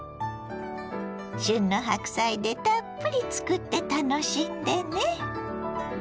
旬の白菜でたっぷり作って楽しんでね。